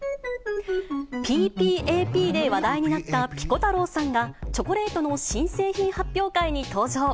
ＰＰＡＰで話題になったピコ太郎さんが、チョコレートの新製品発表会に登場。